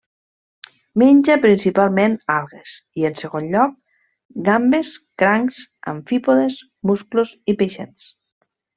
Menja principalment algues i, en segon lloc, gambes, crancs, amfípodes, musclos i peixets.